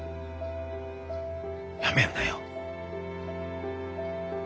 やめるなよ。